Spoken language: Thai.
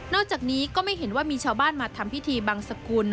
อกจากนี้ก็ไม่เห็นว่ามีชาวบ้านมาทำพิธีบังสกุล